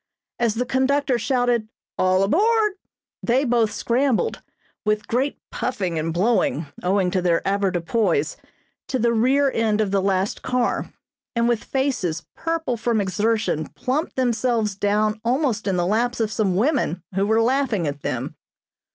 As the conductor shouted "all aboard" they both scrambled, with great puffing and blowing owing to their avoirdupois, to the rear end of the last car, and with faces purple from exertion plumped themselves down almost in the laps of some women who were laughing at them.